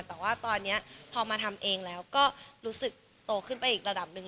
แต่ว่าตอนนี้พอมาทำเองแล้วก็รู้สึกโตขึ้นไปอีกระดับหนึ่ง